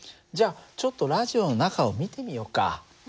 じゃあちょっとラジオの中を見てみようか。